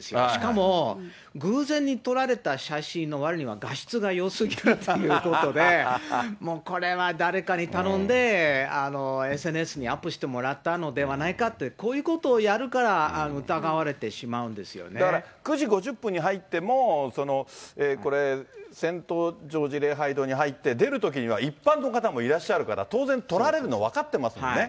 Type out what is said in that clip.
しかも偶然に撮られた写真のわりには、画質が良すぎるっていうことで、もう、これは誰かに頼んで、ＳＮＳにアップしてもらったのではないかって、こういうことをやるから、だから９時５０分に入っても、これ、セント・ジョージ礼拝堂に入って、出るときには一般の方もいらっしゃるから、当然、撮られるの分かってますよね。